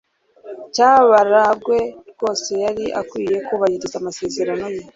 Cyabarangwe rwose yari akwiye kubahiriza amasezerano ye.